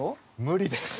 無理です。